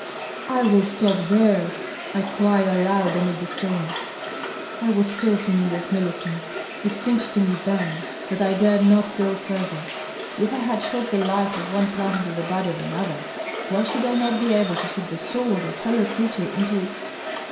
'^ I will stop there V I cried aloud amid the stillness. I was still thinking of Millicent. It seemed to me then that I dared not go fiir ther. If I had shot the life of one plant into the body of another, why should I not be able to shoot the soul of a fellow creature into——?